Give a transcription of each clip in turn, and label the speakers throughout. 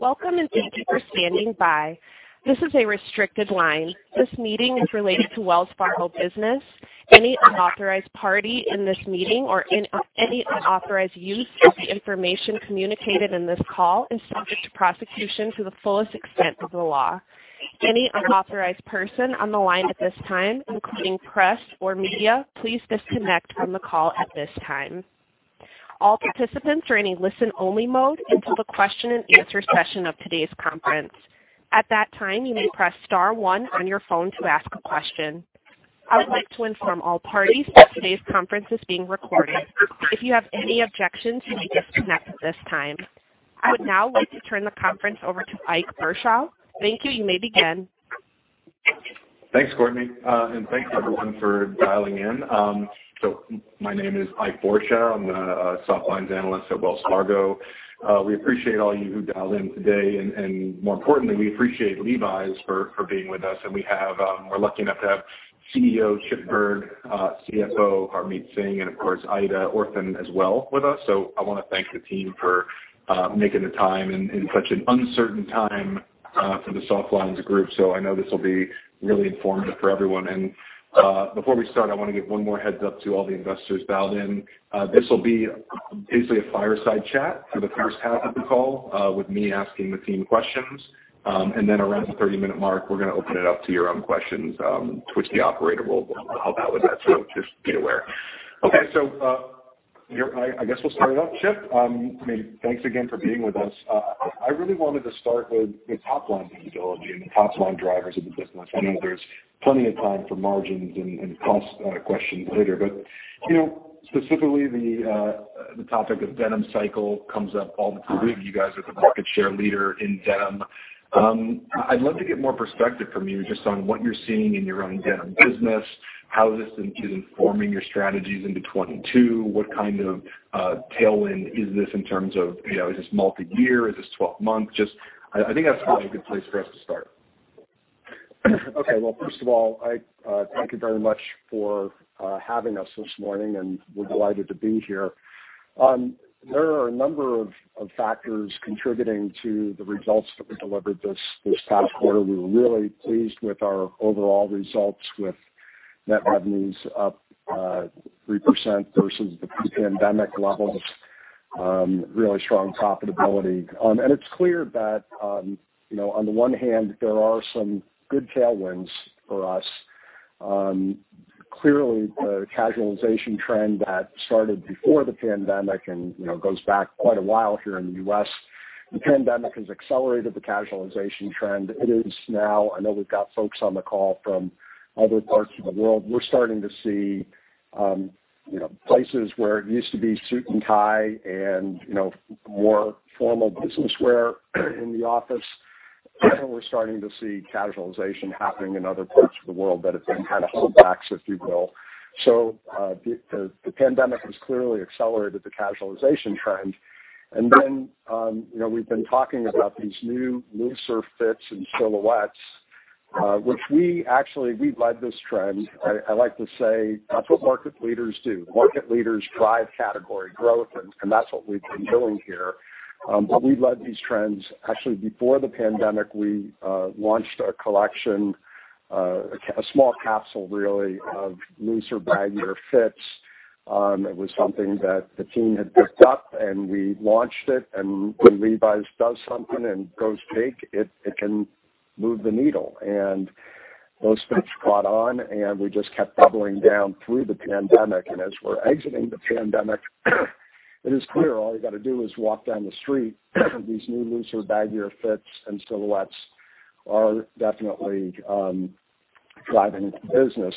Speaker 1: Welcome, and thank you for standing by. This is a restricted line. This meeting is related to Wells Fargo business. Any unauthorized party in this meeting or any unauthorized use of the information communicated in this call is subject to prosecution to the fullest extent of the law. Any unauthorized person on the line at this time, including press or media, please disconnect from the call at this time. All participants are in a listen-only mode until the question and answer session of today's conference. At that time, you may press star one on your phone to ask a question. I would like to inform all parties that today's conference is being recorded. If you have any objections, you may disconnect at this time. I would now like to turn the conference over to Ike Boruchow. Thank you. You may begin.
Speaker 2: Thanks, Courtney, thanks everyone for dialing in. My name is Ike Boruchow. I'm the softlines analyst at Wells Fargo. We appreciate all you who dialed in today, and more importantly, we appreciate Levi's for being with us. We're lucky enough to have CEO Chip Bergh, CFO Harmit Singh, and of course, Aida Orphan as well with us. I want to thank the team for making the time in such an uncertain time for the softlines group. I know this will be really informative for everyone. Before we start, I want to give one more heads-up to all the investors dialed in. This will be basically a fireside chat for the H1 of the call with me asking the team questions. Around the 30-minute mark, we're going to open it up to your own questions, which the operator will help out with that. Just be aware. Okay. I guess we'll start it off. Chip, thanks again for being with us. I really wanted to start with the top-line visibility and the top-line drivers of the business. I know there's plenty of time for margins and cost questions later, but specifically, the topic of denim cycle comes up all the time. You guys are the market share leader in denim. I'd love to get more perspective from you just on what you're seeing in your own denim business, how this is informing your strategies into 2022? What kind of tailwind is this in terms of, is this multi-year? Is this 12 months? Just, I think that's probably a good place for us to start.
Speaker 3: Okay. Well, first of all, Ike, thank you very much for having us this morning. We're delighted to be here. There are a number of factors contributing to the results that we delivered this past quarter. We were really pleased with our overall results with net revenues up 3% versus the pre-pandemic levels. Really strong profitability. It's clear that on the one hand, there are some good tailwinds for us. Clearly, the casualization trend that started before the pandemic and goes back quite a while here in the U.S. The pandemic has accelerated the casualization trend. It is now I know we've got folks on the call from other parts of the world. We're starting to see places where it used to be suit and tie and more formal business wear in the office. We're starting to see casualization happening in other parts of the world that have been kind of holdbacks, if you will. The pandemic has clearly accelerated the casualization trend. We've been talking about these new looser fits and silhouettes, which we actually led this trend. I like to say that's what market leaders do. Market leaders drive category growth, that's what we've been doing here. We led these trends. Actually, before the pandemic, we launched a collection, a small capsule really, of looser baggier fits. It was something that the team had picked up, we launched it. When Levi's does something and goes big, it can move the needle. Those fits caught on, and we just kept doubling down through the pandemic. As we're exiting the pandemic, it is clear all you got to do is walk down the street. These new loose and baggy fits and silhouettes are definitely driving the business.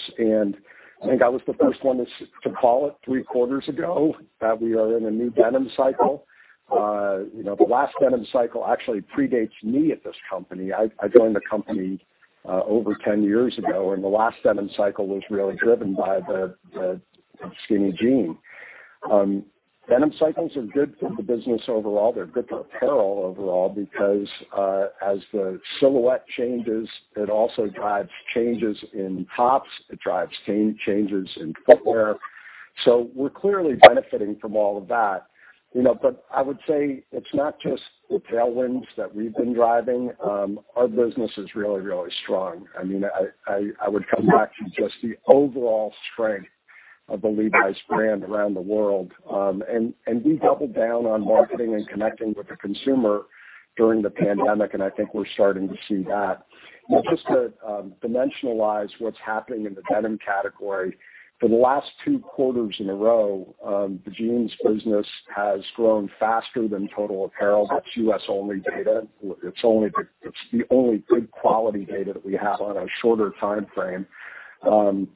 Speaker 3: I think I was the first one to call it three quarters ago that we are in a new denim cycle. The last denim cycle actually predates me at this company. I joined the company over 10 years ago, and the last denim cycle was really driven by the skinny jean. Denim cycles are good for the business overall. They're good for apparel overall because, as the silhouette changes, it also drives changes in tops. It drives changes in footwear. We're clearly benefiting from all of that. I would say it's not just the tailwinds that we've been driving. Our business is really, really strong. I would come back to just the overall strength of the Levi's brand around the world. We doubled down on marketing and connecting with the consumer during the pandemic, and I think we're starting to see that. Just to dimensionalize what's happening in the denim category, for the last two quarters in a row, the jeans business has grown faster than total apparel. That's U.S.-only data. It's the only good quality data that we have on a shorter timeframe. The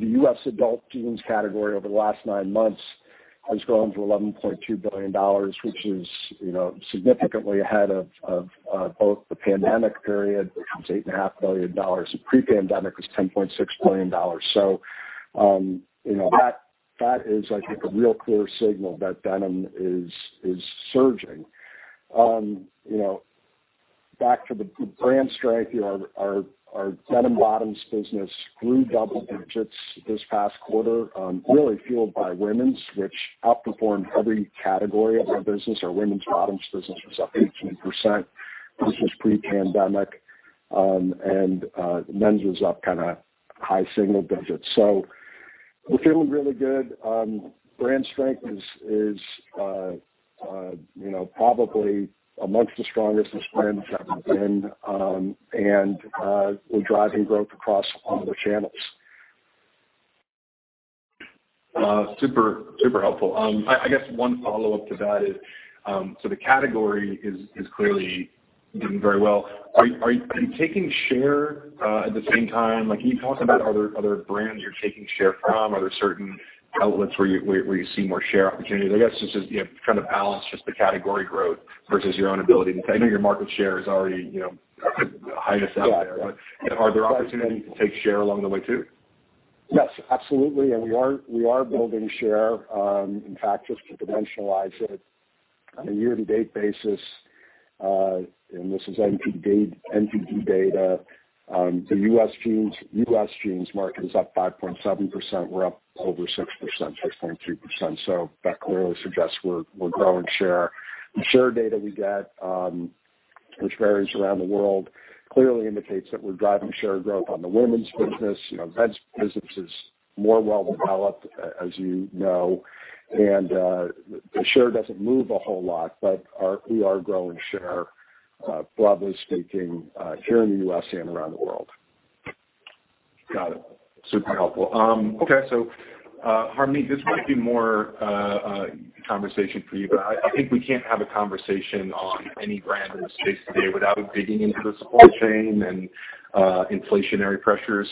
Speaker 3: U.S. adult jeans category over the last nine months has grown to $11.2 billion, which is significantly ahead of both the pandemic period, which was $8.5 billion. Pre-pandemic was $10.6 billion. That is, I think, a real clear signal that denim is surging. Back to the brand strength. Our denim bottoms business grew double digits this past quarter, really fueled by women's, which outperformed every category of our business. Our women's bottoms business was up 18%, this was pre-pandemic. Men's was up high single digits. We're feeling really good. Brand strength is probably amongst the strongest it's ever been, and we're driving growth across all the channels.
Speaker 2: Super helpful. I guess one follow-up to that is, the category is clearly doing very well. Are you taking share at the same time? Can you talk about, are there brands you're taking share from? Are there certain outlets where you see more share opportunities? I guess it's just, you have to balance just the category growth versus your own ability. I know your market share is already the highest out there.
Speaker 3: Yeah.
Speaker 2: Are there opportunities to take share along the way, too?
Speaker 3: Yes, absolutely. We are building share. In fact, just to dimensionalize it on a year-to-date basis, this is NPD data, the U.S. jeans market is up 5.7%. We're up over 6%, 6.2%. That clearly suggests we're growing share. The share data we get, which varies around the world, clearly indicates that we're driving share growth on the women's business. Men's business is more well-developed, as you know. The share doesn't move a whole lot, but we are growing share, broadly speaking, here in the U.S. and around the world.
Speaker 2: Got it. Super helpful. Okay. Harmit, this might be more a conversation for you, but I think we can't have a conversation on any brand in the space today without digging into the supply chain and inflationary pressures.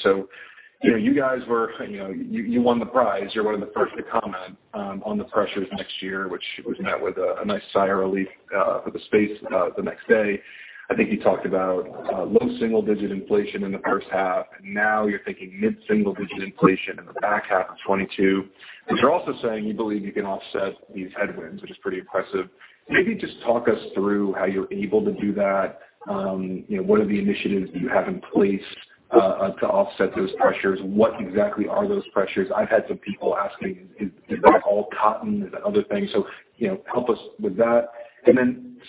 Speaker 2: You won the prize. You're one of the first to comment on the pressures next year, which was met with a nice sigh of relief for the space the next day. I think you talked about low single-digit inflation in the first half, now you're thinking mid-single digit inflation in the back half of 2022. You're also saying you believe you can offset these headwinds, which is pretty impressive. Maybe just talk us through how you're able to do that. What are the initiatives that you have in place to offset those pressures? What exactly are those pressures? I've had some people asking, is that all cotton? Is it other things? Help us with that.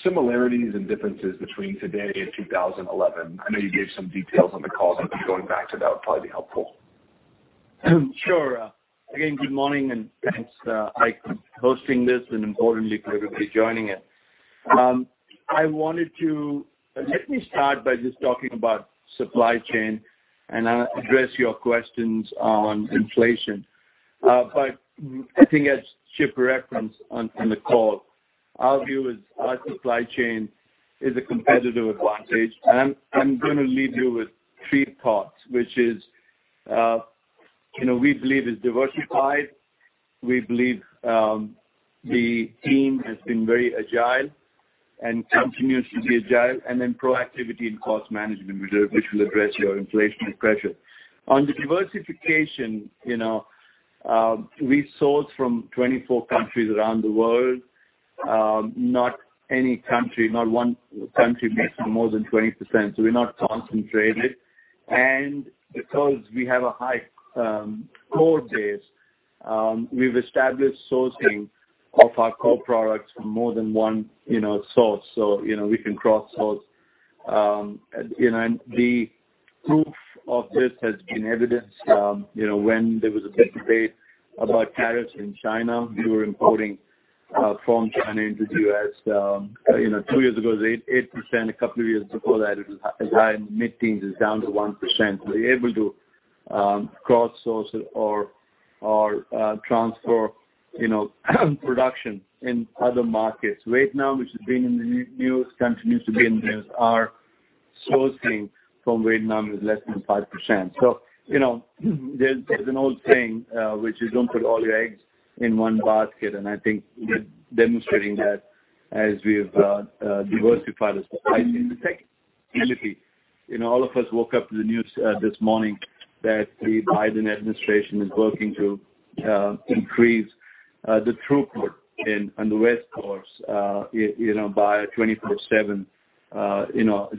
Speaker 2: Similarities and differences between today and 2011. I know you gave some details on the call, going back to that would probably be helpful.
Speaker 4: Sure. Again, good morning, and thanks, Ike, for hosting this and importantly, for everybody joining it. Let me start by just talking about supply chain and address your questions on inflation. I think as Chip referenced on the call, our view is our supply chain is a competitive advantage. I'm going to leave you with three parts, which is, we believe it's diversified. We believe the team has been very agile and continues to be agile, and then proactivity in cost management, which will address your inflationary pressure. On the diversification, we source from 24 countries around the world. Not one country makes more than 20%, so we're not concentrated. Because we have a high core base, we've established sourcing of our core products from more than one source. The proof of this has been evidenced when there was a debate about tariffs in China. We were importing from China into the U.S. two years ago, it was 8%. A couple of years before that, it was as high mid-teens. It's down to 1%. We're able to cross-source or transfer production in other markets. Vietnam, which has been in the news, continues to be in the news. Our sourcing from Vietnam is less than 5%. There's an old saying, which is, "Don't put all your eggs in one basket." I think we're demonstrating that as we've diversified as well. Secondly, all of us woke up to the news this morning that the Biden administration is working to increase the throughput on the West Coast by 24/7,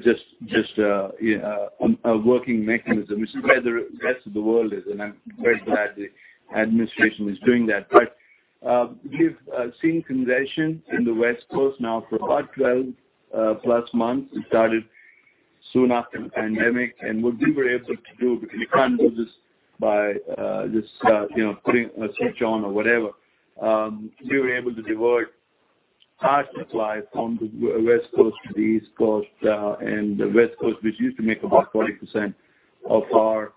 Speaker 4: just a working mechanism. This is where the rest of the world is, and I'm very glad the administration is doing that. We've seen congestion in the West Coast now for about 12+ months. It started soon after the pandemic. What we were able to do, because you can't do this by just putting a switch on or whatever. We were able to divert hard supply from the West Coast to the East Coast. The West Coast, which used to make about 40% of our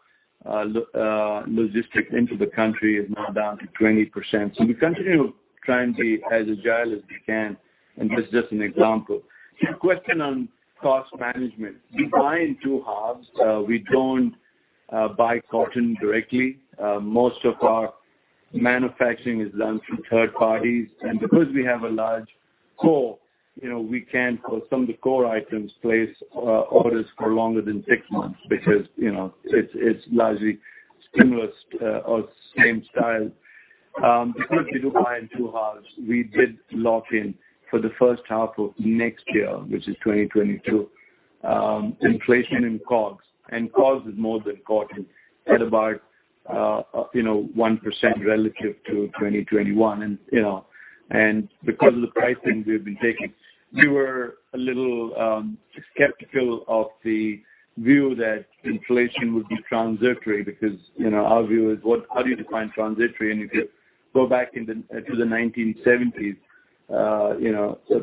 Speaker 4: logistics into the country, is now down to 20%. We continue trying to be as agile as we can, and this is just an example. To your question on cost management. We buy in two halves. We don't buy cotton directly. Most of our manufacturing is done through third parties. Because we have a large core, we can, for some of the core items, place orders for longer than 6 months because it's largely seamless or same style. Because we do buy in two halves, we did lock in for the H1 of next year, which is 2022. Inflation in COGS, and COGS is more than cotton, at about 1% relative to 2021, and because of the pricing we have been taking. We were a little skeptical of the view that inflation would be transitory because our view is, how do you define transitory? If you go back to the 1970s,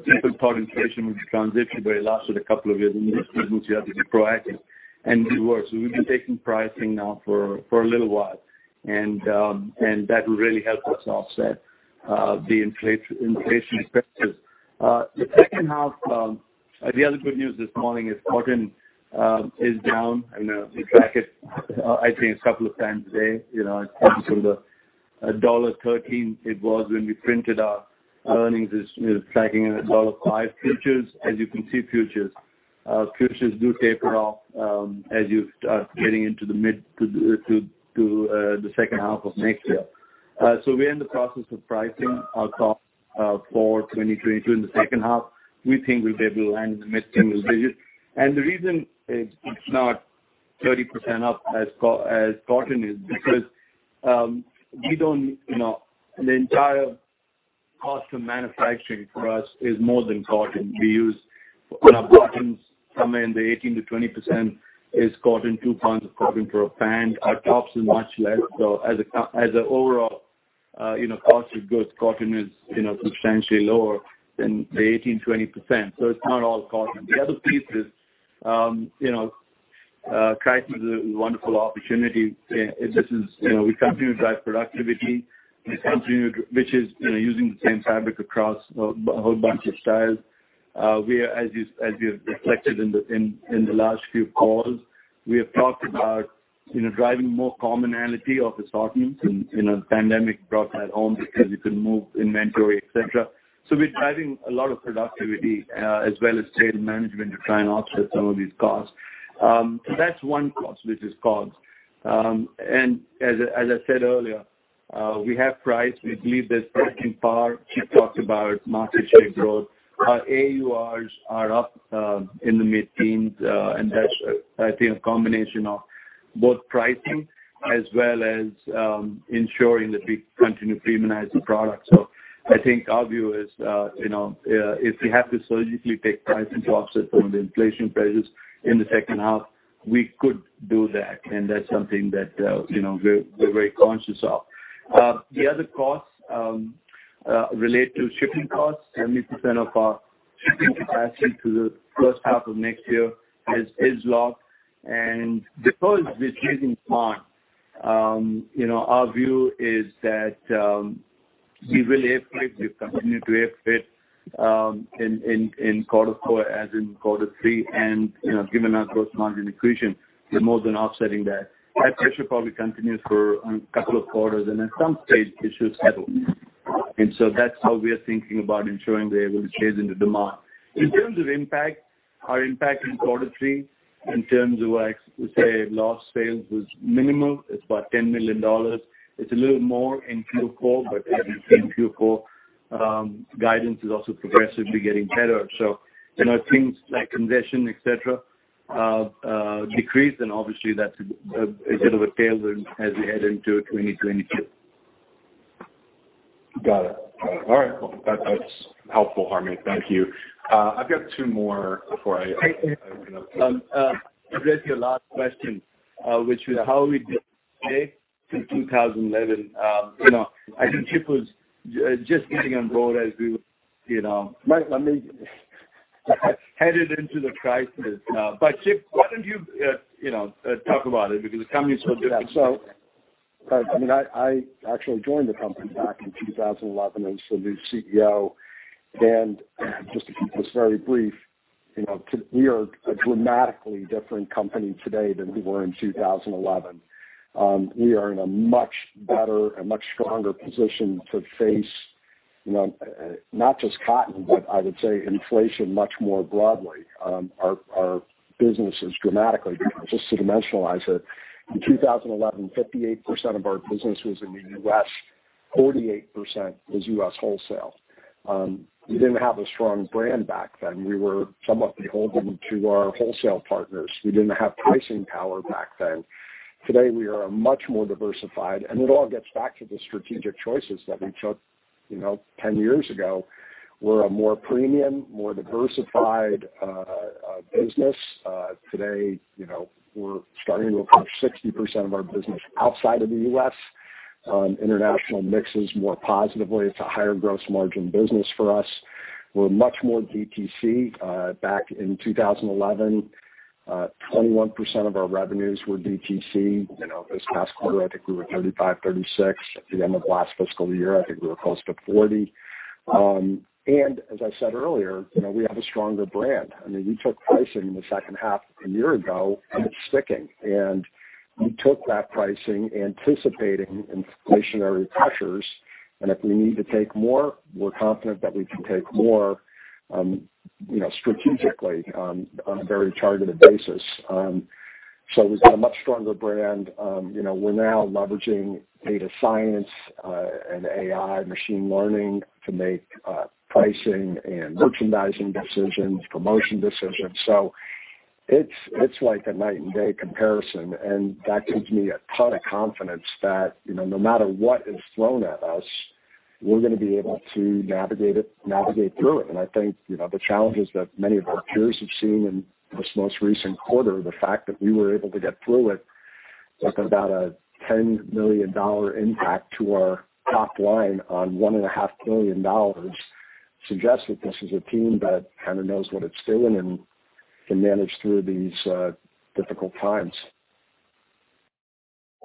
Speaker 4: people thought inflation would be transitory, but it lasted a couple of years, and you just couldn't seem to able to be proactive, and it worked. We've been taking pricing now for a little while, and that will really help us offset the inflation pressures. The other good news this morning is cotton is down. We track it I think two times a day. It's come from the $1.13 it was when we printed our earnings. It's tracking at $1.05 futures. As you can see, futures do taper off as you start getting into the H2 of next year. We're in the process of pricing our tops for 2022. In the H2, we think we'll be able to land in the mid-single digits. The reason it's not 30% up as cotton is because the entire cost of manufacturing for us is more than cotton. We use, on our bottoms, somewhere in the 18%-20% is cotton, GBP 2 of cotton per a pant. Our tops is much less. As an overall cost of goods, cotton is substantially lower than the 18%-20%. It's not all cotton. The other piece is, price was a wonderful opportunity. We continue to drive productivity, which is using the same fabric across a whole bunch of styles. As we have reflected in the last few calls, we have talked about driving more commonality of assortments. Pandemic brought that home because you can move inventory, et cetera. We're driving a lot of productivity, as well as trade management, to try and offset some of these costs. That's one cost, which is COGS. As I said earlier, we have priced. We believe there's pricing power. Chip talked about market share growth. Our AURs are up in the mid-teens, and that's, I think, a combination of both pricing as well as ensuring that we continue to premiumize the product. I think our view is, if we have to surgically take pricing to offset some of the inflation pressures in the H2, we could do that, and that's something that we're very conscious of. The other costs relate to shipping costs. 70% of our shipping capacity to the H1 of next year is locked. The holes we're seeing in demand, our view is that we will air freight. We've continued to air freight in quarter four as in quarter three. Given our gross margin accretion, we're more than offsetting that. That pressure probably continues for a couple of quarters, and at some stage it should settle. That's how we are thinking about ensuring we're able to chase into demand. In terms of impact, our impact in quarter three, in terms of, I would say, lost sales, was minimal. It's about $10 million. It's a little more in Q4. As you've seen, Q4 guidance is also progressively getting better. As things like congestion, et cetera, decrease, obviously that's a bit of a tailwind as we head into 2022.
Speaker 2: Got it. All right, cool. That's helpful, Harmit. Thank you. I've got two more-
Speaker 4: To address your last question, which was how are we different today from 2011. I think Chip was just getting on board as we were headed into the crisis. Chip, why don't you talk about it? Because the company is so different.
Speaker 3: I actually joined the company back in 2011 as the new CEO. Just to keep this very brief, we are a dramatically different company today than we were in 2011. We are in a much better and much stronger position to face not just cotton, but I would say inflation much more broadly. Our business is dramatically different. Just to dimensionalize it, in 2011, 58% of our business was in the U.S., 48% was U.S. wholesale. We didn't have a strong brand back then. We were somewhat beholden to our wholesale partners. We didn't have pricing power back then. Today, we are much more diversified, it all gets back to the strategic choices that we took 10 years ago. We're a more premium, more diversified business. Today, we're starting to approach 60% of our business outside of the U.S. International mixes more positively. It's a higher gross margin business for us. We're much more DTC. Back in 2011, 21% of our revenues were DTC. This past quarter, I think we were 35%, 36%. At the end of last fiscal year, I think we were close to 40%. As I said earlier, we have a stronger brand. We took pricing in the H2 a year ago, and it's sticking. We took that pricing anticipating inflationary pressures. If we need to take more, we're confident that we can take more strategically, on a very targeted basis. We've got a much stronger brand. We're now leveraging data science, and AI machine learning to make pricing and merchandising decisions, promotion decisions. It's like a night and day comparison. That gives me a ton of confidence that, no matter what is thrown at us, we're going to be able to navigate through it. I think, the challenges that many of our peers have seen in this most recent quarter, the fact that we were able to get through it with about a $10 million impact to our top line on $1.5 billion suggests that this is a team that kind of knows what it's doing and can manage through these difficult times.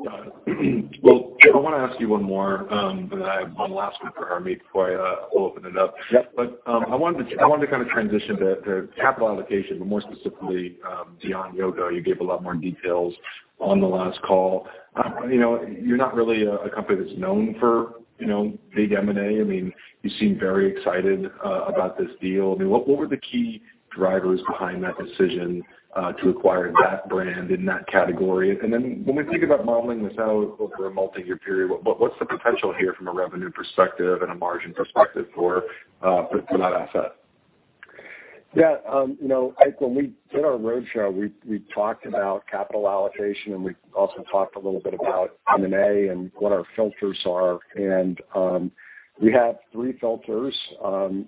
Speaker 2: Got it. Well, I want to ask you one more, then one last one for Harmit before I open it up.
Speaker 3: Yep.
Speaker 2: I wanted to kind of transition to capital allocation, but more specifically, Beyond Yoga. You gave a lot more details on the last call. You are not really a company that is known for big M&A. You seem very excited about this deal. What were the key drivers behind that decision to acquire that brand in that category? And then when we think about modeling this out over a multi-year period, what is the potential here from a revenue perspective and a margin perspective for that asset?
Speaker 3: Yeah. Ike, when we did our roadshow, we talked about capital allocation, and we also talked a little bit about M&A and what our filters are. We have three filters.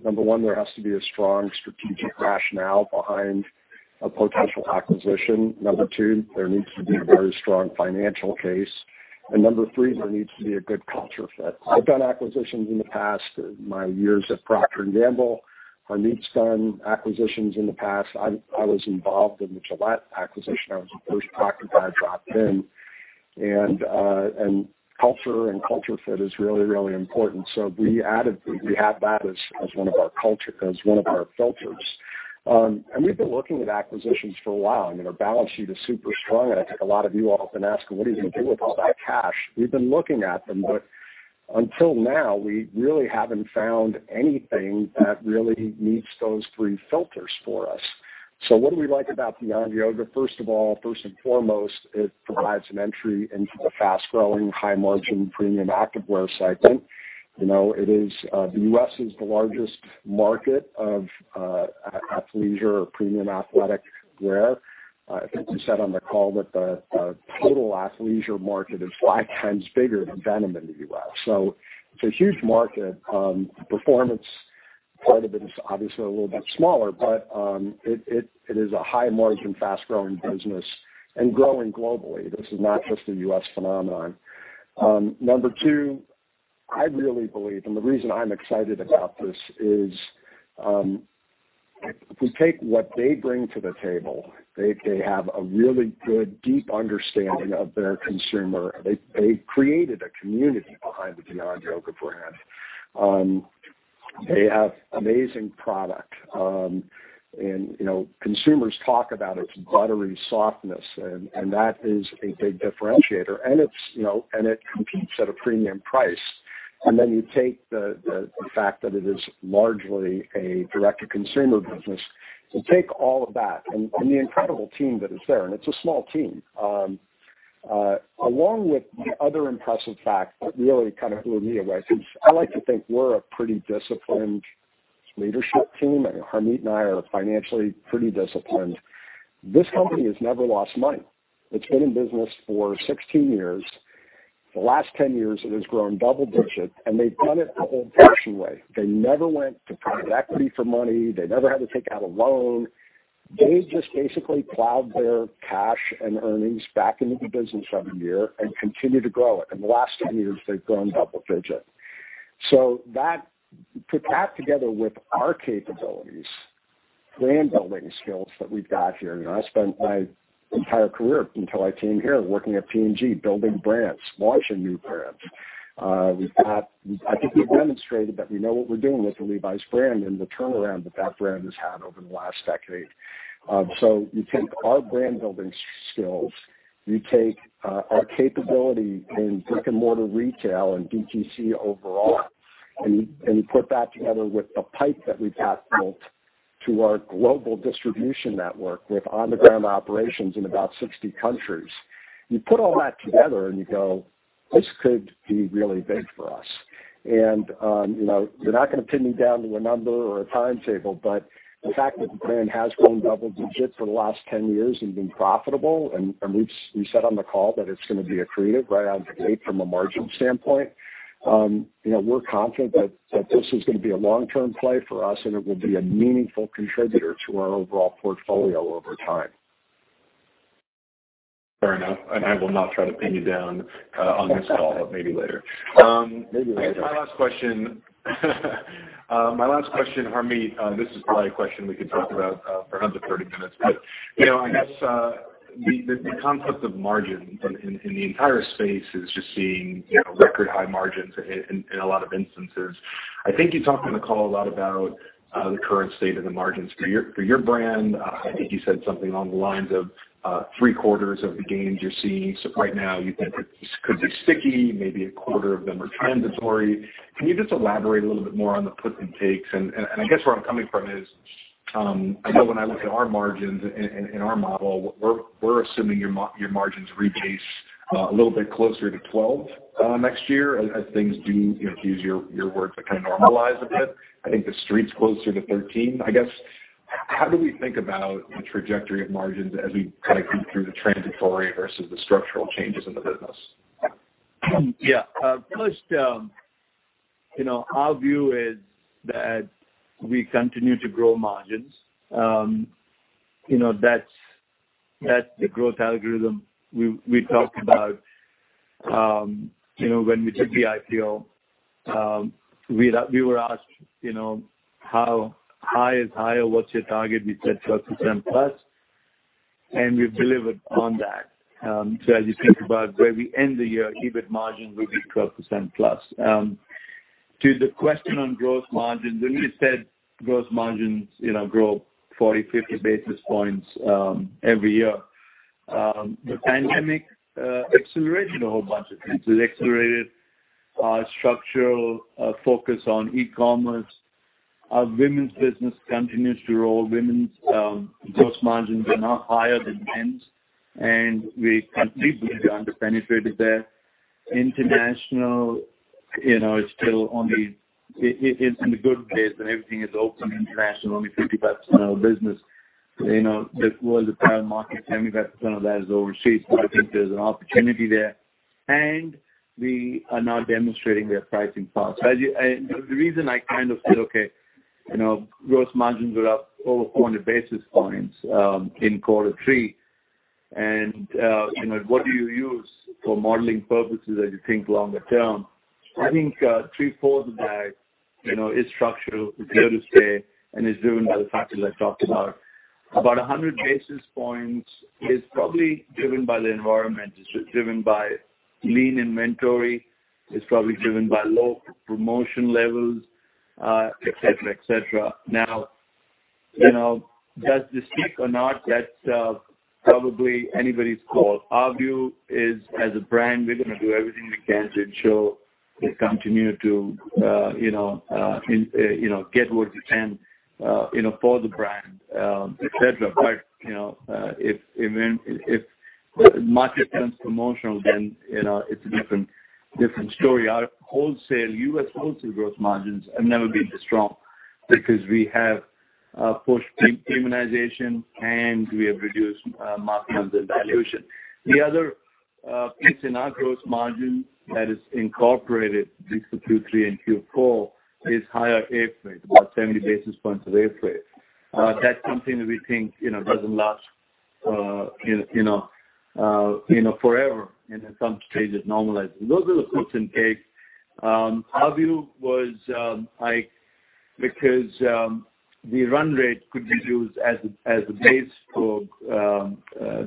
Speaker 3: Number one, there has to be a strong strategic rationale behind a potential acquisition. Number two, there needs to be a very strong financial case. Number three, there needs to be a good culture fit. I've done acquisitions in the past, my years at Procter & Gamble. Harmit's done acquisitions in the past. I was involved in the Gillette acquisition. I was the first private buyer dropped in. Culture and culture fit is really important. We have that as one of our filters. We've been looking at acquisitions for a while. Our balance sheet is super strong, and I think a lot of you often ask, "Well, what are you going to do with all that cash?" We've been looking at them, but until now, we really haven't found anything that really meets those three filters for us. What do we like about Beyond Yoga? First of all, first and foremost, it provides an entry into the fast-growing, high-margin premium activewear segment. The U.S. is the largest market of athleisure or premium athletic wear. I think we said on the call that the total athleisure market is five times bigger than denim in the U.S., so it's a huge market. The performance part of it is obviously a little bit smaller, but it is a high-margin, fast-growing business and growing globally. This is not just a U.S. phenomenon. Number two, I really believe, and the reason I'm excited about this is, if we take what they bring to the table, they have a really good, deep understanding of their consumer. They created a community behind the Beyond Yoga brand. They have amazing product. Consumers talk about its buttery softness, and that is a big differentiator. It competes at a premium price. You take the fact that it is largely a direct-to-consumer business. Take all of that and the incredible team that is there, and it's a small team. Along with the other impressive fact that really kind of blew me away, because I like to think we're a pretty disciplined leadership team. Harmit and I are financially pretty disciplined. This company has never lost money. It's been in business for 16 years. The last 10 years, it has grown double digits, and they've done it the old-fashioned way. They never went to private equity for money. They never had to take out a loan. They just basically plowed their cash and earnings back into the business every year and continued to grow it, and the last 10 years, they've grown double digits. Put that together with our capabilities, brand-building skills that we've got here. I spent my entire career, until I came here, working at P&G, building brands, launching new brands. I think we've demonstrated that we know what we're doing with the Levi's brand and the turnaround that brand has had over the last decade. You take our brand-building skills, you take our capability in brick-and-mortar retail and DTC overall, and you put that together with the pipe that we've had built to our global distribution network with on-the-ground operations in about 60 countries. You put all that together, and you go, "This could be really big for us." You're not going to pin me down to a number or a timetable, but the fact that the brand has grown double digits for the last 10 years and been profitable, and we said on the call that it's going to be accretive right out of the gate from a margin standpoint. We're confident that this is going to be a long-term play for us, and it will be a meaningful contributor to our overall portfolio over time.
Speaker 2: Fair enough. I will not try to pin you down on this call, but maybe later.
Speaker 3: Maybe later.
Speaker 2: My last question, Harmit, this is probably a question we could talk about for 130 minutes, I guess the concept of margin in the entire space is just seeing record high margins in a lot of instances. I think you talked on the call a lot about the current state of the margins for your brand. I think you said something along the lines of 3/4 of the gains you're seeing right now, you think could be sticky. Maybe 1/4 of them are transitory. Can you just elaborate a little bit more on the puts and takes? I guess where I'm coming from is. I know when I look at our margins in our model, we're assuming your margins re-base a little bit closer to 12 next year as things do, to use your words, kind of normalize a bit. I think the street's closer to 13. I guess, how do we think about the trajectory of margins as we think through the transitory versus the structural changes in the business?
Speaker 4: Yeah. First, our view is that we continue to grow margins. That's the growth algorithm we talked about when we did the IPO. We were asked, "How high is higher? What's your target?" We said 12% plus, and we've delivered on that. As you think about where we end the year, EBIT margin will be 12% plus. To the question on growth margins, when we said growth margins grow 40, 50 basis points every year, the pandemic accelerated a whole bunch of things. It accelerated our structural focus on e-commerce. Our women's business continues to roll. Women's gross margins are now higher than men's, and we completely under-penetrated there. International, it's still only in the good days when everything is open international, only 50% of our business. The world apparel market, 10% of that is overseas. I think there's an opportunity there. We are now demonstrating their pricing power. The reason I said, okay, gross margins are up over 400 basis points in quarter three, and what do you use for modeling purposes as you think longer term? I think 3/4 of that is structural, it's here to stay, and is driven by the factors I talked about. About 100 basis points is probably driven by the environment. It's driven by lean inventory. It's probably driven by low promotion levels, et cetera. Does this stick or not? That's probably anybody's call. Our view is, as a brand, we're going to do everything we can to ensure we continue to get what we can for the brand, et cetera. If market turns promotional, then it's a different story. Our U.S. wholesale growth margins have never been this strong because we have pushed premiumization, we have reduced markdowns and dilution. The other piece in our gross margin that is incorporated between Q3 and Q4 is higher air freight, about 70 basis points of air freight. That's something that we think doesn't last forever, at some stage it normalizes. Those are the puts and takes. Our view was because the run rate could be used as a base for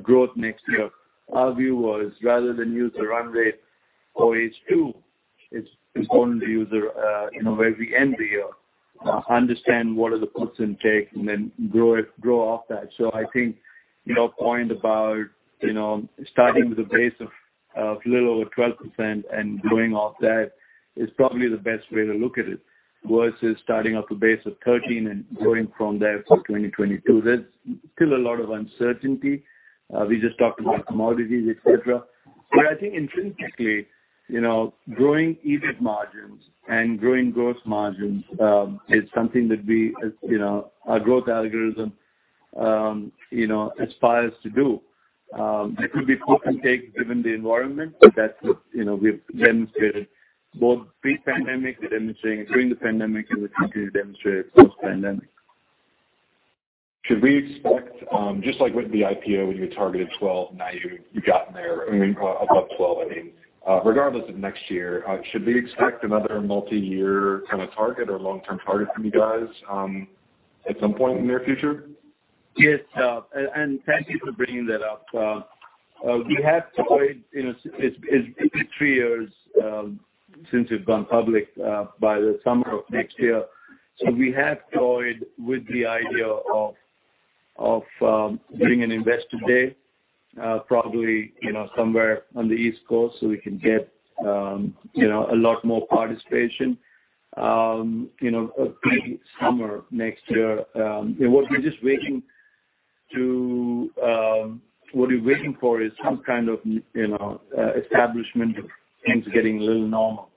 Speaker 4: growth next year. Our view was, rather than use the run rate for H2, it's important to use where we end the year. Understand what are the puts and takes, then grow off that. I think your point about starting with a base of a little over 12% and growing off that is probably the best way to look at it versus starting off a base of 13% and growing from there for 2022. There's still a lot of uncertainty. We just talked about commodities, et cetera. I think intrinsically, growing EBIT margins and growing gross margins is something that our growth algorithm aspires to do. It could be put and take given the environment, but that's what we've demonstrated both pre-pandemic, we're demonstrating during the pandemic, and we continue to demonstrate post-pandemic.
Speaker 2: Should we expect, just like with the IPO, when you targeted 12, now you've gotten there, above 12, I mean. Regardless of next year, should we expect another multi-year kind of target or long-term target from you guys at some point in the near future?
Speaker 4: Yes. Thank you for bringing that up. It will be three years since we have gone public by the summer of next year. We have toyed with the idea of doing an investor day probably somewhere on the East Coast so we can get a lot more participation. Maybe summer next year. What we are waiting for is some kind of establishment of things getting a little normal.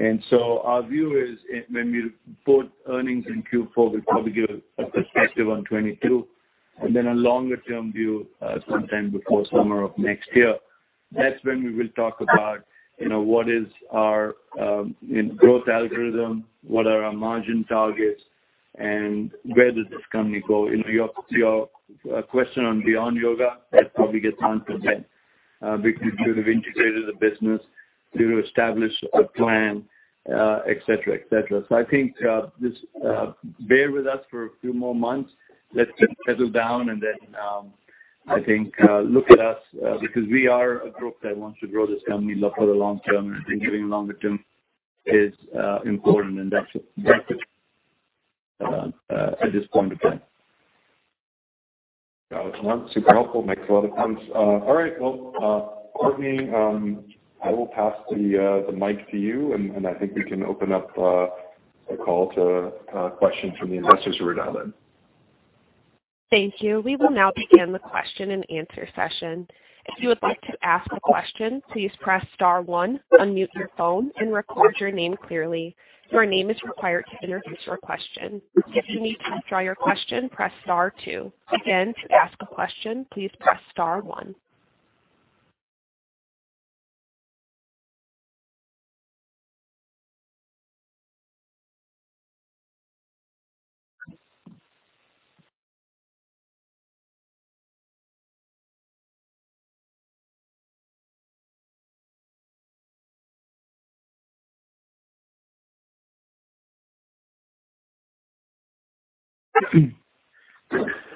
Speaker 4: Our view is when we report earnings in Q4, we probably give a perspective on 2022, and then a longer-term view sometime before summer of next year. That is when we will talk about what is our growth algorithm, what are our margin targets, and where does this company go? Your question on Beyond Yoga, that probably gets answered then because we would have integrated the business to establish a plan, et cetera. I think just bear with us for a few more months. Let's just settle down, and then I think look at us because we are a group that wants to grow this company for the long term. I think giving longer term is important, and that's at this point in time.
Speaker 2: Got it. Super helpful. Makes a lot of sense. All right. Well, Courtney, I will pass the mic to you, and I think we can open up the call to questions from the investors who are dialed in.
Speaker 1: Thank you. We will now begin the question and answer session. If you would like to ask a question, please press star one, unmute your phone and record your name clearly. Your name is required to introduce your question. If you need to withdraw your question, press star two. Again, to ask a question, please press star one.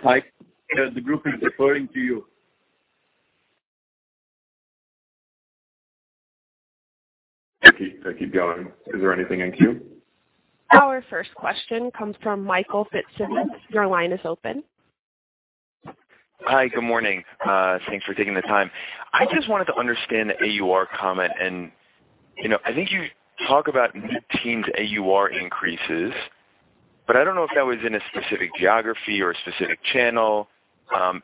Speaker 4: Mike, the group is referring to you.
Speaker 2: I keep going. Is there anything in queue?
Speaker 1: Our first question comes from Michael Fitzsimons. Your line is open.
Speaker 5: Hi. Good morning. Thanks for taking the time. I just wanted to understand the AUR comment. I think you talk about mid-teens AUR increases. I don't know if that was in a specific geography or a specific channel.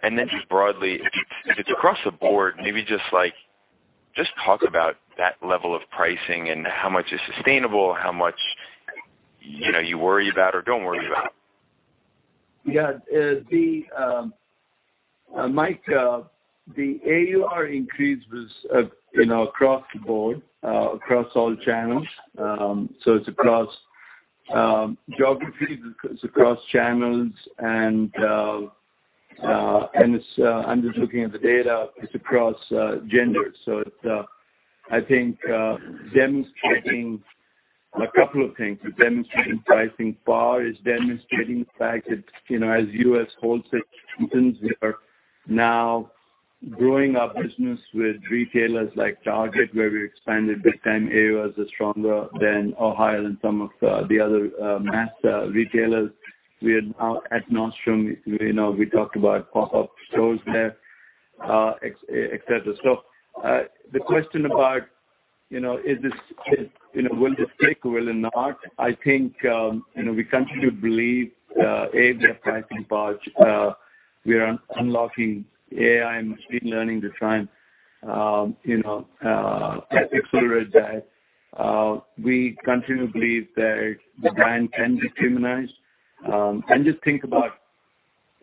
Speaker 5: Just broadly, if it's across the board, maybe just talk about that level of pricing and how much is sustainable? How much you worry about or don't worry about?
Speaker 4: Yeah. Mike, the AUR increase was across the board, across all channels. It's across geography, it's across channels, and I'm just looking at the data. It's across genders. It's, I think, demonstrating a couple of things. It's demonstrating pricing power. It's demonstrating the fact that as U.S. wholesale strengthens, we are now growing our business with retailers like Target, where we expanded big time. AURs are stronger than or higher than some of the other mass retailers. We are now at Nordstrom. We talked about pop-up stores there, et cetera. The question about will this stick, will it not, I think we continue to believe, A, we have pricing power. We are unlocking AI and machine learning design, and accelerate that. We continue to believe that the brand can be premiumized. Just think about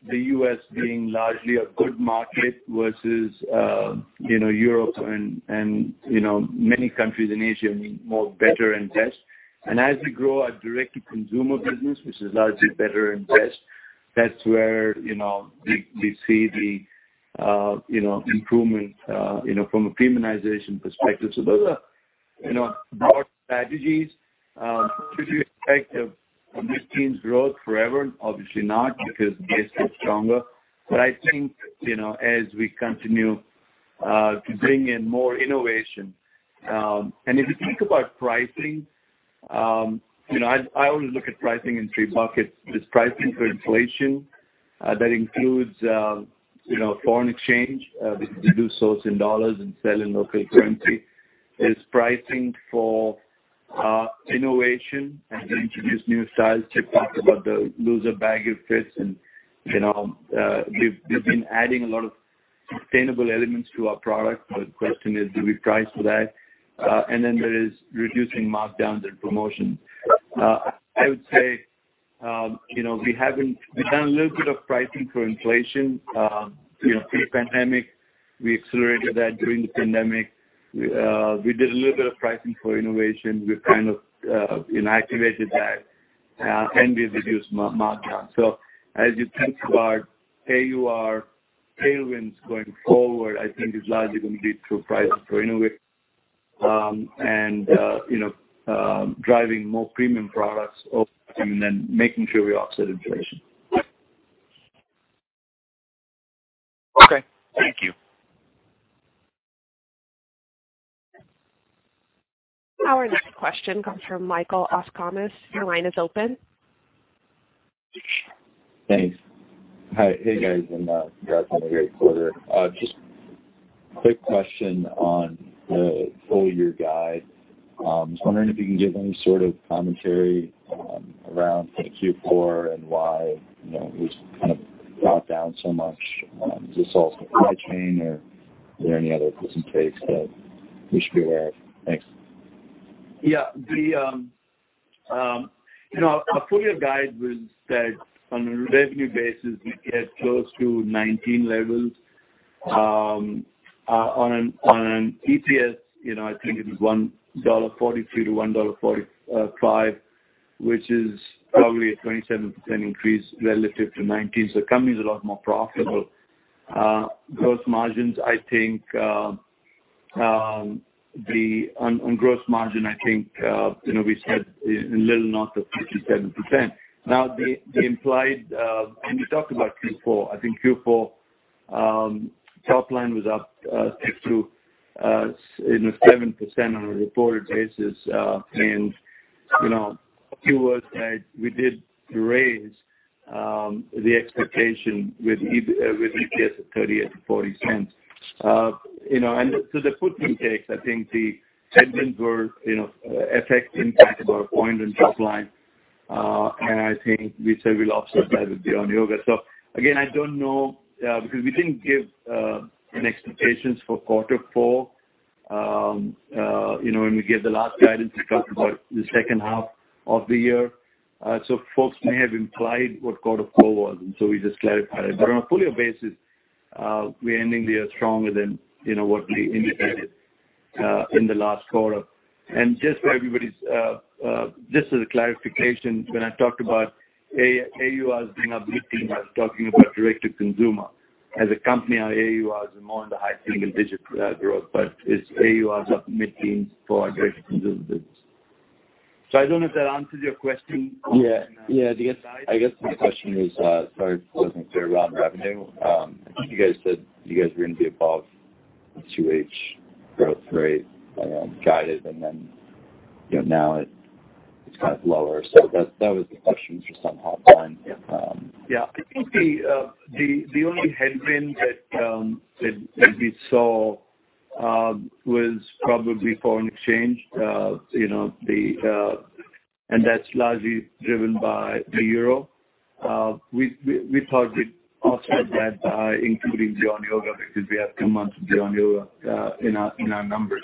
Speaker 4: the U.S. being largely a good market versus Europe and many countries in Asia being more better and best. As we grow our direct-to-consumer business, which is largely better and best, that's where we see the improvement from a premiumization perspective. Those are broad strategies. Should we expect a mid-teen growth forever? Obviously not, because base gets stronger. I think as we continue to bring in more innovation. If you think about pricing, I always look at pricing in three buckets. There's pricing for inflation. That includes foreign exchange. We do source in dollars and sell in local currency. There's pricing for innovation, as we introduce new styles. Chip talked about the loose and baggy fits, and we've been adding a lot of sustainable elements to our product. The question is, do we price for that? There is reducing markdowns and promotion. I would say we've done a little bit of pricing for inflation, pre-pandemic. We accelerated that during the pandemic. We did a little bit of pricing for innovation. We've kind of inactivated that, and we reduced markdown. As you think about AUR tailwinds going forward, I think it's largely going to lead to pricing for innovation and driving more premium products over time and then making sure we offset inflation.
Speaker 5: Okay. Thank you.
Speaker 1: Our next question comes from Michael Binetti. Your line is open.
Speaker 6: Thanks. Hi. Hey, guys, and congrats on a great quarter. Just quick question on the full year guide. Just wondering if you can give any sort of commentary around Q4 and why it was kind of brought down so much. Is this all supply chain or are there any other twists and turns that we should be aware of? Thanks.
Speaker 4: Yeah. Our full-year guide was that on a revenue basis, we'd get close to 2019 levels. On an EPS, I think it was $1.42-$1.45, which is probably a 27% increase relative to 2019. Company's a lot more profitable. Gross margins, I think on gross margin, I think we said a little north of 57%. We talked about Q4. I think Q4 top line was up take through in the 7% on a reported basis. A few words that we did raise the expectation with EPS of $0.38-$0.40. The footprint takes, I think the trends were affecting back about a point in top line. I think we said we'll offset that with the Beyond Yoga. Again, I don't know, because we didn't give an expectations for quarter four, when we gave the last guidance, we talked about the H2 of the year. Folks may have implied what quarter four was, we just clarified it. On a full-year basis, we're ending the year stronger than what we indicated in the last quarter. Just as a clarification, when I talked about AURs being up mid-teens, I was talking about direct-to-consumer. As a company, our AURs are more in the high single-digit growth, but it's AURs up mid-teens for our direct-to-consumer business. I don't know if that answers your question.
Speaker 6: Yeah. I guess my question was, sorry if this wasn't clear, around revenue. I think you guys said you guys were going to be above 2H growth rate, guided, and then, you know, now it's kind of lower. That was the question, just on top line.
Speaker 4: Yeah. I think the only headwind that we saw was probably foreign exchange, and that's largely driven by the euro. We thought we'd offset that by including the Beyond Yoga, because we have two months of the Beyond Yoga in our numbers.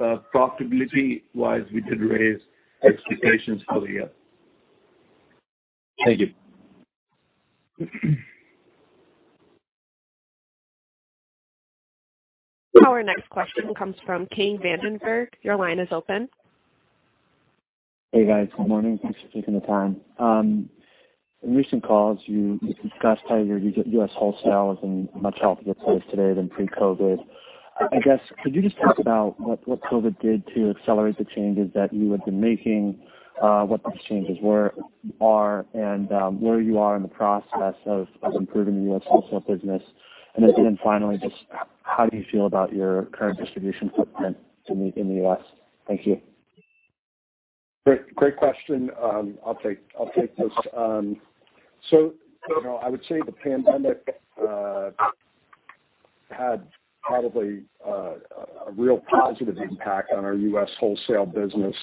Speaker 4: Profitability-wise, we did raise expectations for the year.
Speaker 6: Thank you.
Speaker 1: Our next question comes from Kimberly Greenberger. Your line is open.
Speaker 7: Hey, guys. Good morning. Thanks for taking the time. In recent calls, you discussed how your U.S. wholesale is in a much healthier place today than pre-COVID. I guess, could you just talk about what COVID did to accelerate the changes that you had been making? What those changes are, and where you are in the process of improving the U.S. wholesale business? Finally, just how do you feel about your current distribution footprint in the U.S.? Thank you.
Speaker 3: Great question. I'll take this. I would say the pandemic had probably a real positive impact on our U.S. wholesale business,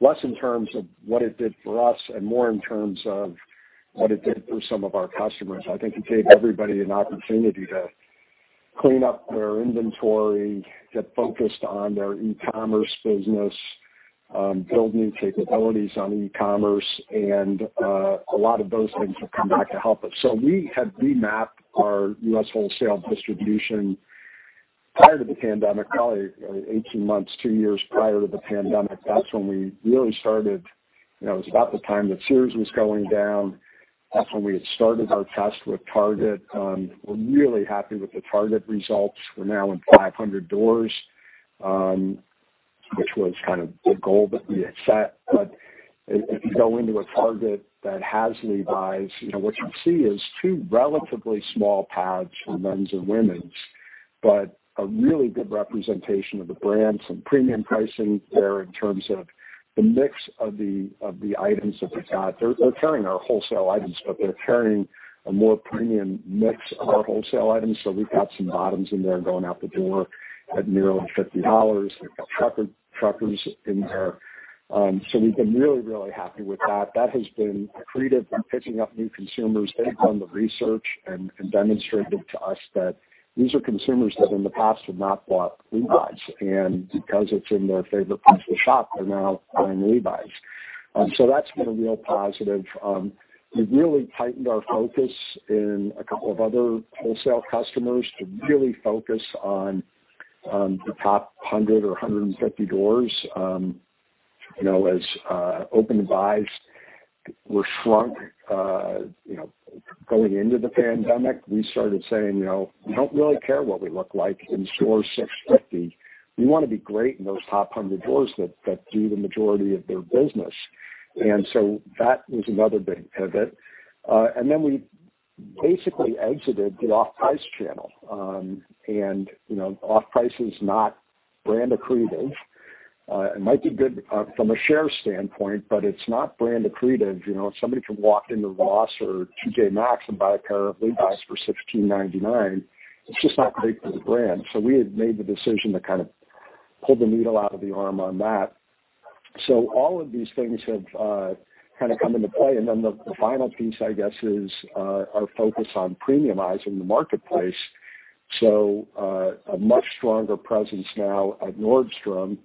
Speaker 3: less in terms of what it did for us and more in terms of what it did for some of our customers. I think it gave everybody an opportunity to clean up their inventory, get focused on their e-commerce business, build new capabilities on e-commerce, and a lot of those things have come back to help us. We had remapped our U.S. wholesale distribution prior to the pandemic, probably 18 months, two years prior to the pandemic. That's when we really started. It was about the time that Sears was going down. That's when we had started our test with Target. We're really happy with the Target results. We're now in 500 doors, which was kind of the goal that we had set. If you go into a Target that has Levi's, what you see is two relatively small pads for men's and women's, but a really good representation of the brand. Some premium pricing there in terms of the mix of the items that they've got. They're carrying our wholesale items, but they're carrying a more premium mix of our wholesale items. We've got some bottoms in there going out the door at nearly $50. They've got truckers in there. We've been really happy with that. That has been accretive in picking up new consumers. They've done the research and demonstrated to us that these are consumers that in the past have not bought Levi's, and because it's in their favorite place to shop, they're now buying Levi's. That's been a real positive. We really tightened our focus in a couple of other wholesale customers to really focus on the top 100 or 150 doors. As open Levi's were shrunk, going into the pandemic, we started saying, "We don't really care what we look like in stores 650. We want to be great in those top 100 doors that do the majority of their business." That was another big pivot. We basically exited the off-price channel. Off-price is not brand accretive. It might be good from a share standpoint, but it's not brand accretive. Somebody can walk into Ross or TJ Maxx and buy a pair of Levi's for $16.99. It's just not great for the brand. We had made the decision to kind of pull the needle out of the arm on that. All of these things have kind of come into play. The final piece, I guess, is our focus on premiumizing the marketplace. A much stronger presence now at Nordstrom,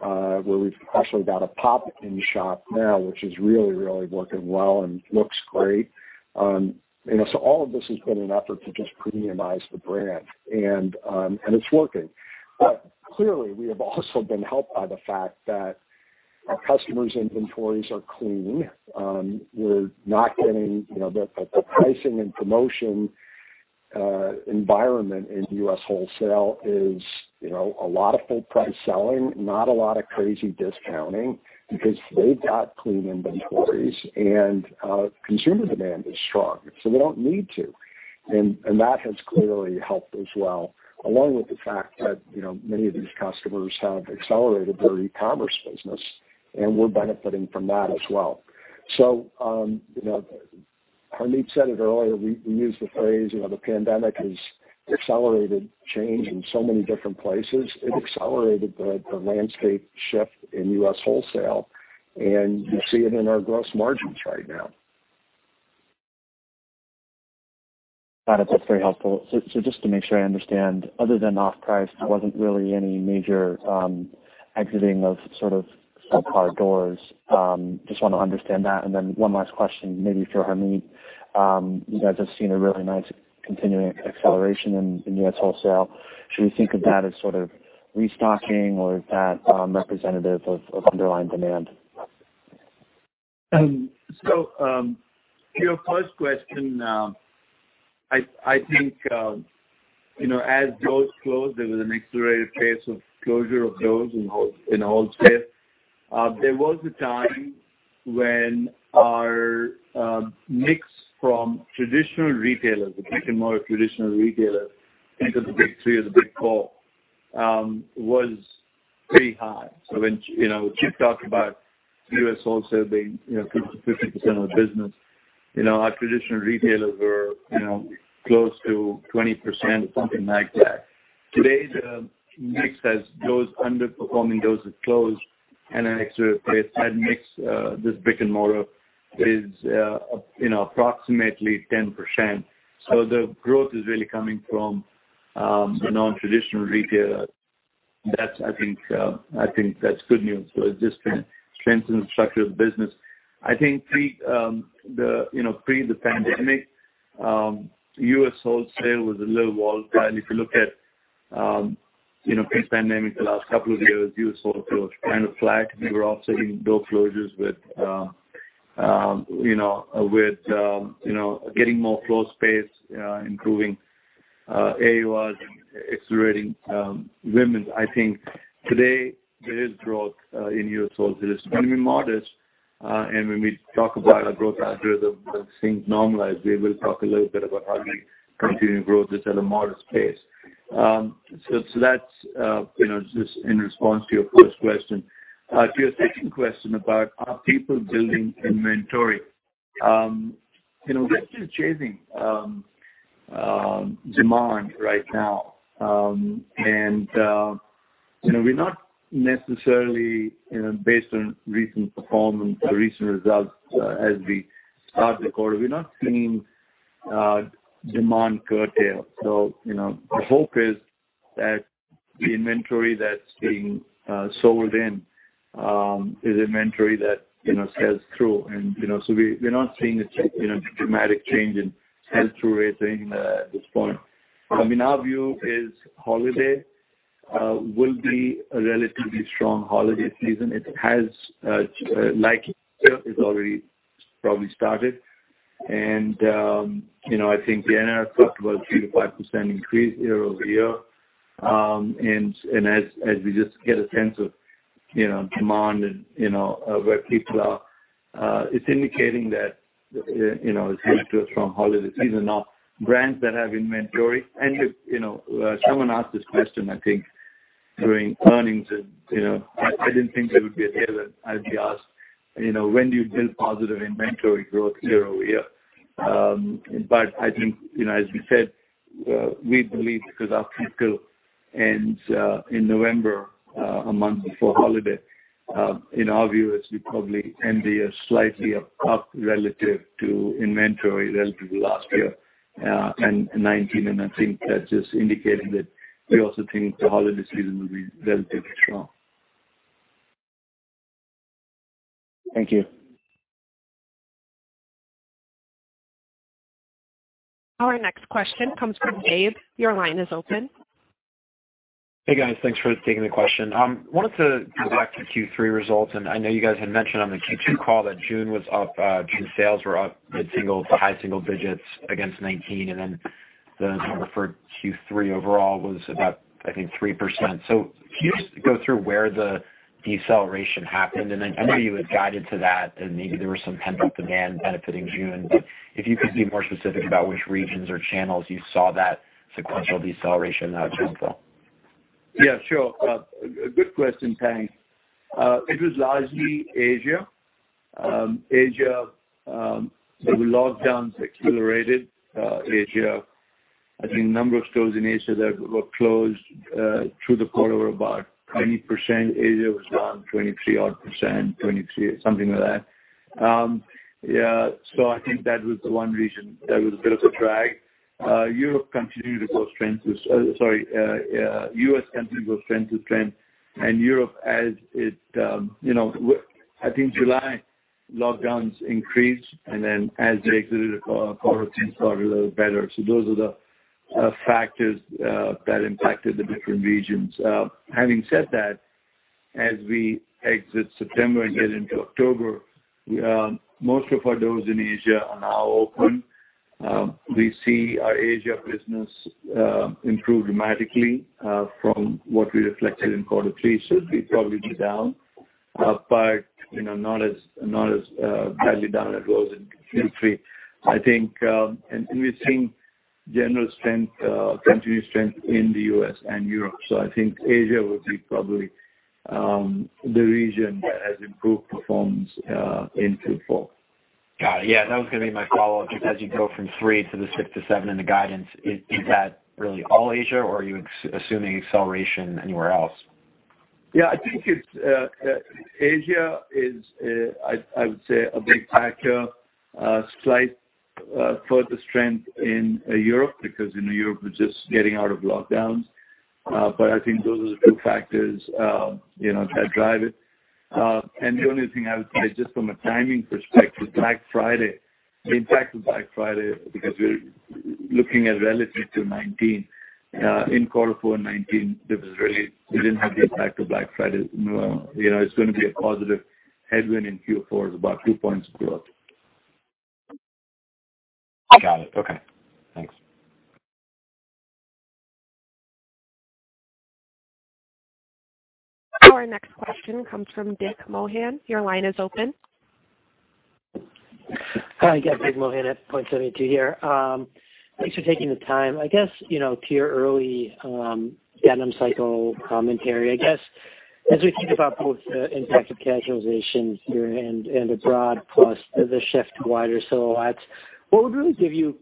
Speaker 3: where we've actually got a pop-in shop now, which is really, really working well and looks great. All of this has been an effort to just premiumize the brand, and it's working. Clearly, we have also been helped by the fact that our customers' inventories are clean. We're not getting the pricing and promotion environment in U.S. wholesale is a lot of full-price selling, not a lot of crazy discounting because they've got clean inventories and consumer demand is strong, so they don't need to. That has clearly helped as well, along with the fact that many of these customers have accelerated their e-commerce business, and we're benefiting from that as well. Harmit said it earlier, we use the phrase, the pandemic has accelerated change in so many different places. It accelerated the landscape shift in U.S. wholesale, and you see it in our gross margins right now.
Speaker 7: Got it. That's very helpful. Just to make sure I understand, other than off-price, there wasn't really any major exiting of sort of subpar doors. Just want to understand that. Then one last question, maybe for Harmit. You guys have seen a really nice continuing acceleration in U.S. wholesale. Should we think of that as sort of restocking or is that representative of underlying demand?
Speaker 4: To your first question, I think as doors closed, there was an accelerated pace of closure of doors in wholesale. There was a time when our mix from traditional retailers, the brick-and-mortar traditional retailers, think of the big three or the big four, was pretty high. When Chip talked about U.S. wholesale being 50% of the business, our traditional retailers were close to 20% or something like that. Today, the mix has those underperforming doors have closed and an accelerated side mix. This brick-and-mortar is approximately 10%. The growth is really coming from the non-traditional retailers. I think that's good news for us, just to strengthen the structure of the business. I think pre the pandemic, U.S. wholesale was a little volatile. If you look at pre-pandemic, the last couple of years, U.S. wholesale was kind of flat. We were offsetting door closures with getting more floor space, improving AURs and accelerating women's. I think today there is growth in U.S. wholesale. It's going to be modest, and when we talk about our growth after the things normalize, we will talk a little bit about how do we continue to grow this at a modest pace. That's just in response to your first question. To your second question about are people building inventory. We're still chasing demand right now. We're not necessarily, based on recent performance or recent results as we start the quarter, we're not seeing demand curtail. The hope is that the inventory that's being sold in is inventory that sells through. We're not seeing a dramatic change in sell-through rating at this point. I mean, our view is holiday will be a relatively strong holiday season. It has likelihood. It's already probably started. I think the NRF talked about 3%-5% increase year-over-year. As we just get a sense of demand and where people are, it's indicating that it's leading to a strong holiday season. Now, brands that have inventory someone asked this question, I think, during earnings, and I didn't think that it would be relevant, I'd be asked, when do you build positive inventory growth year-over-year? I think, as we said, we believe because our fiscal ends in November, a month before holiday, in our view is we probably end the year slightly up relative to inventory relative to last year, in 2019. I think that's just indicating that we also think the holiday season will be relatively strong.
Speaker 7: Thank you.
Speaker 1: Our next question comes from Dave. Your line is open.
Speaker 8: Hey, guys. Thanks for taking the question. Wanted to go back to Q3 results. I know you guys had mentioned on the Q2 call that June was up, June sales were up mid-single to high single digits against 2019. The number for Q3 overall was about, I think, 3%. If you could just go through where the deceleration happened. I know you had guided to that. Maybe there was some pent-up demand benefiting June. If you could be more specific about which regions or channels you saw that sequential deceleration, that would be helpful.
Speaker 4: Yeah, sure. A good question, thanks. It was largely Asia. The lockdowns accelerated Asia. I think a number of stores in Asia that were closed through the quarter were about 20%. Asia was down 23-odd%, 23%, something like that. I think that was the one region that was a bit of a drag. U.S. continued to go strength to strength, and Europe I think July, lockdowns increased, and then as they exited quarter things got a little better. Those are the factors that impacted the different regions. Having said that, as we exit September and get into October, most of our doors in Asia are now open. We see our Asia business improve dramatically from what we reflected in quarter three. We probably be down. But not as highly down as it was in Q3. I think, we're seeing general strength, continued strength in the U.S. and Europe. I think Asia will be probably the region that has improved performance into fall.
Speaker 8: Got it. Yeah, that was going to be my follow-up. As you go from 3% to the 6%-7% in the guidance, is that really all Asia, or are you assuming acceleration anywhere else?
Speaker 4: Yeah, I think Asia is, I would say, a big factor. Slight further strength in Europe because in Europe we're just getting out of lockdowns. I think those are the two factors that drive it. The only thing I would say, just from a timing perspective, Black Friday. The impact of Black Friday, because we're looking at relative to 2019. In quarter four 2019, we didn't have the impact of Black Friday. It's going to be a positive headwind in Q4. It's about two points growth.
Speaker 8: Got it. Okay. Thanks.
Speaker 1: Our next question comes from Dick Morgan. Your line is open.
Speaker 9: Hi, Dick Morgan at Point72 here. Thanks for taking the time. I guess, to your early denim cycle commentary, as we think about both the impact of casualization here and abroad, plus the shift to wider silhouettes, what would really give you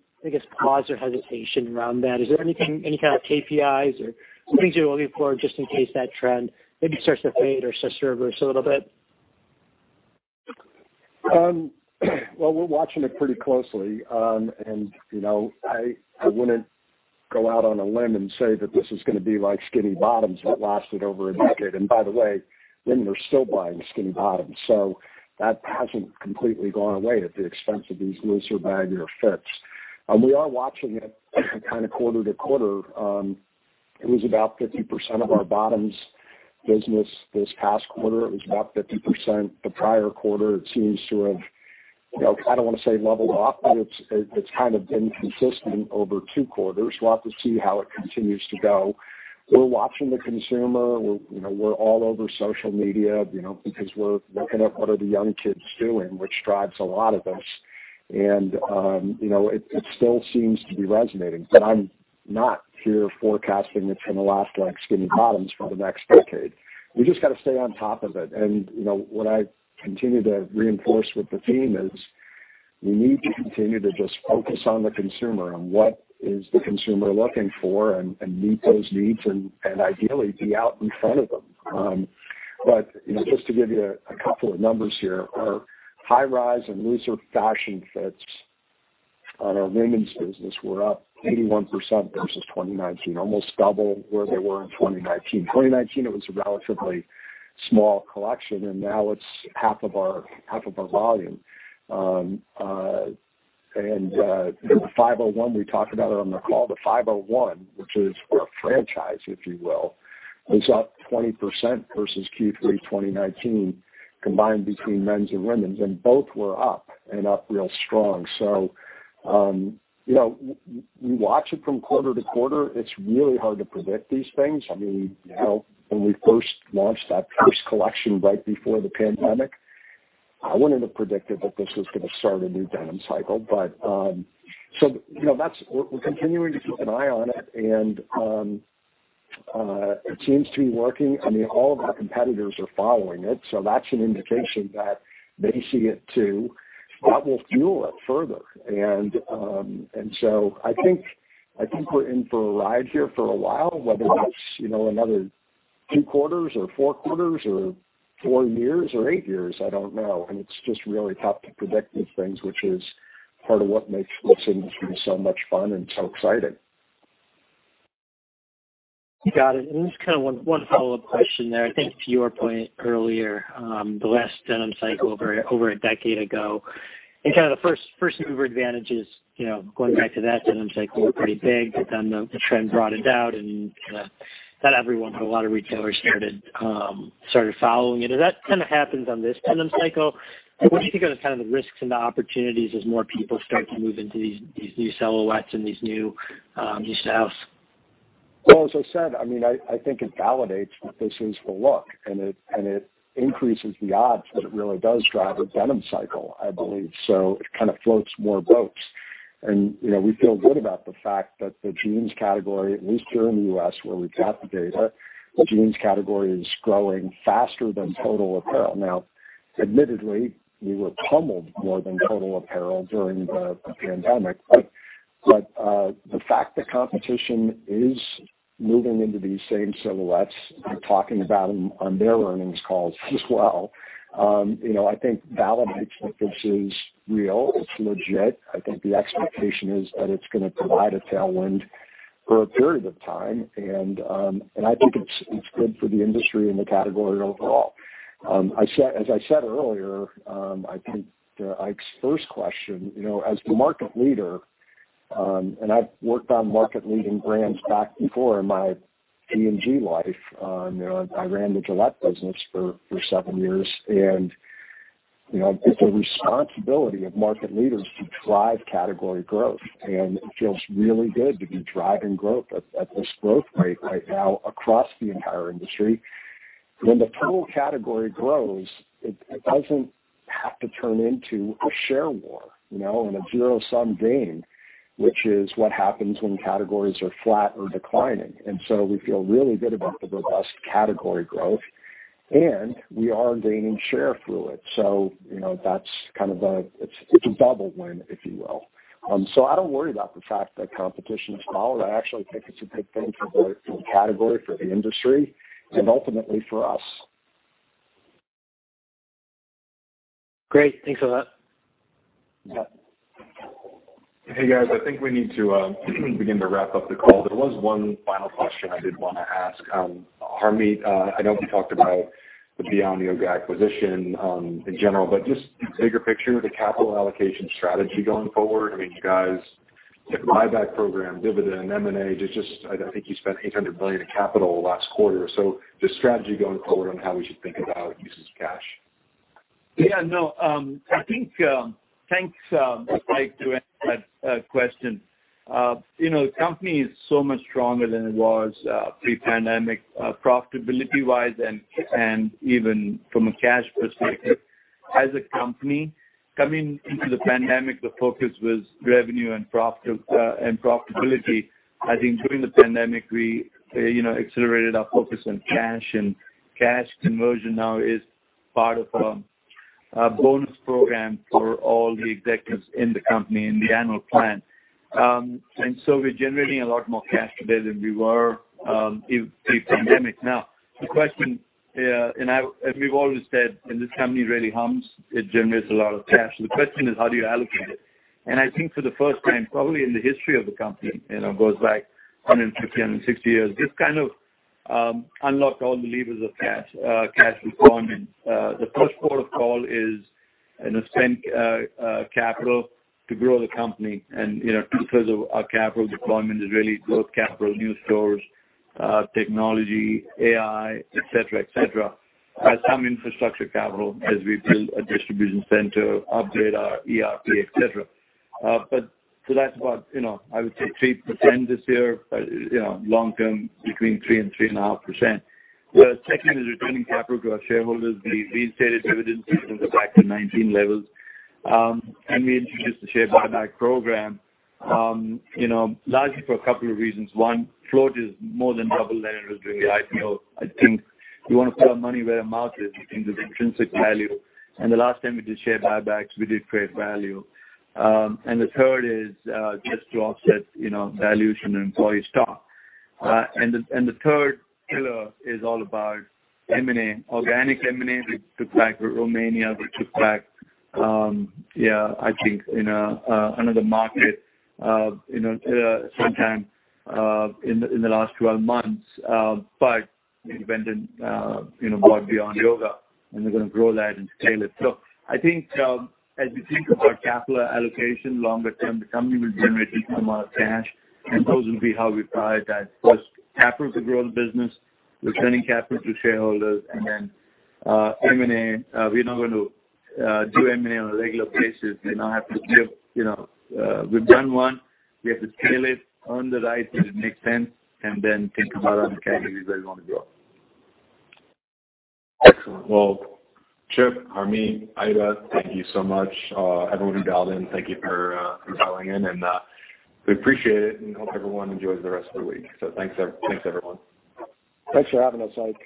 Speaker 9: pause or hesitation around that? Is there any kind of KPIs or things you're looking for just in case that trend maybe starts to fade or starts to reverse a little bit?
Speaker 3: Well, we're watching it pretty closely. I wouldn't go out on a limb and say that this is going to be like skinny bottoms that lasted over a decade. By the way, women are still buying skinny bottoms. That hasn't completely gone away at the expense of these looser, baggier fits. We are watching it kind of quarter-to-quarter. It was about 50% of our bottoms business this past quarter. It was about 50% the prior quarter. It seems to have, I don't want to say leveled off, but it's kind of been consistent over two quarters. We'll have to see how it continues to go. We're watching the consumer. We're all over social media, because we're looking at what are the young kids doing, which drives a lot of this. It still seems to be resonating, but I'm not here forecasting it's going to last like skinny bottoms for the next decade. We just got to stay on top of it. What I continue to reinforce with the team is we need to continue to just focus on the consumer and what is the consumer looking for and meet those needs and ideally be out in front of them. Just to give you a couple of numbers here, our high-rise and looser fashion fits on our women's business were up 81% versus 2019, almost double where they were in 2019. 2019, it was a relatively small collection, and now it's half of our volume. The 501 we talked about on the call. The 501, which is our franchise, if you will, was up 20% versus Q3 2019, combined between men's and women's. Both were up, and up real strong. We watch it from quarter-to-quarter. It's really hard to predict these things. When we first launched that first collection right before the pandemic, I wouldn't have predicted that this was going to start a new denim cycle. We're continuing to keep an eye on it, and it seems to be working. All of our competitors are following it, so that's an indication that they see it, too. That will fuel it further. I think we're in for a ride here for a while, whether that's another two quarters or four quarters or four years or eight years, I don't know. It's just really tough to predict these things, which is part of what makes this industry so much fun and so exciting.
Speaker 9: Got it. Just one follow-up question there. I think to your point earlier, the last denim cycle over a decade ago, and the first-mover advantages, going back to that denim cycle, were pretty big. The trend broadened out and not everyone, but a lot of retailers started following it. As that happens on this denim cycle, what do you think are the risks and the opportunities as more people start to move into these new silhouettes and these new styles?
Speaker 3: Well, as I said, I think it validates that this is the look. It increases the odds that it really does drive a denim cycle, I believe. It kind of floats more boats. We feel good about the fact that the jeans category, at least here in the U.S. where we've got the data, the jeans category is growing faster than total apparel. Now, admittedly, we were pummeled more than total apparel during the pandemic. The fact the competition is moving into these same silhouettes and talking about them on their earnings calls as well, I think validates that this is real. It's legit. I think the expectation is that it's going to provide a tailwind for a period of time, and I think it's good for the industry and the category overall. As I said earlier, I think to Ike's first question, as the market leader, and I've worked on market-leading brands back before in my P&G life. I ran the Gillette business for seven years. It's a responsibility of market leaders to drive category growth. It feels really good to be driving growth at this growth rate right now across the entire industry. When the total category grows, it doesn't have to turn into a share war, and a zero-sum game, which is what happens when categories are flat or declining. We feel really good about the robust category growth, and we are gaining share through it. It's a double win, if you will. I don't worry about the fact that competition has followed. I actually think it's a good thing for the category, for the industry, and ultimately for us.
Speaker 9: Great. Thanks for that.
Speaker 3: Yeah.
Speaker 2: Hey, guys, I think we need to begin to wrap up the call. There was one final question I did want to ask. Harmit, I know we talked about the Beyond Yoga acquisition in general, but just bigger picture, the capital allocation strategy going forward. You guys did buyback program, dividend, M&A. I think you spent $800 million in capital last quarter. Just strategy going forward on how we should think about uses of cash.
Speaker 4: Yeah, no. Thanks, Ike to answer that question. The company is so much stronger than it was pre-pandemic, profitability-wise and even from a cash perspective. As a company, coming into the pandemic, the focus was revenue and profitability. I think during the pandemic, we accelerated our focus on cash, and cash conversion now is part of a bonus program for all the executives in the company in the annual plan. We're generating a lot more cash today than we were pre-pandemic. The question, we've always said, this company really hums, it generates a lot of cash. The question is, how do you allocate it? I think for the first time, probably in the history of the company, it goes back 150, 160 years, this kind of unlocked all the levers of cash deployment. The first port of call is spend capital to grow the company. Two-thirds of our capital deployment is really growth capital, new stores, technology, AI, et cetera. Some infrastructure capital as we build a distribution center, upgrade our ERP, et cetera. That's what I would say 3% this year, but long term, between 3% and 3.5%. The second is returning capital to our shareholders. We reinstated dividends back to 2019 levels. We introduced a share buyback program, largely for a couple of reasons. One, float is more than double than it was during the IPO. I think you want to put our money where our mouth is. We think there's intrinsic value. The last time we did share buybacks, we did create value. The third is just to offset dilution in employee stock. The third pillar is all about M&A, organic M&A. We took back Romania, we took back, I think, another market sometime in the last 12 months. We went and bought Beyond Yoga, and we're going to grow that and scale it. I think as we think about capital allocation longer term, the company will generate a ton amount of cash, and those will be how we prioritize. First, capital to grow the business, returning capital to shareholders, and then M&A. We're not going to do M&A on a regular basis. We've done one. We have to scale it, earn the right, make sense, and then think about other categories where we want to grow.
Speaker 2: Excellent. Well, Chip, Harmit, Aida, thank you so much. Everyone who dialed in, thank you for dialing in, and we appreciate it and hope everyone enjoys the rest of the week. Thanks, everyone.
Speaker 3: Thanks for having us, Ike.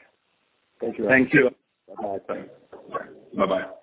Speaker 4: Thank you.
Speaker 2: Bye-bye.